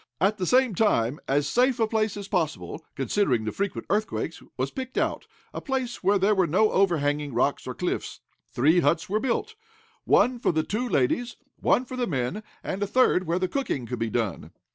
At the same time as safe a place as possible, considering the frequent earthquakes, was picked out a place where there were no overhanging rocks or cliffs. Three huts were built, one for the two ladies, one for the men, and third where the cooking could be done.